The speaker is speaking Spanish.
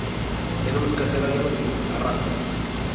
Tenemos que hacer algo en el arrastre.